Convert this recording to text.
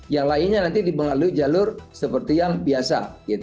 yang lainnya nanti di mengalui jalur seperti yang biasa